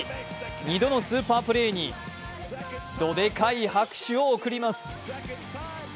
２度のスーパープレーにどでかい拍手を送ります。